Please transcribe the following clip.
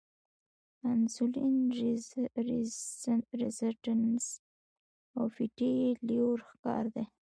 انسولین ريزسټنس او فېټي لیور ښکار دي -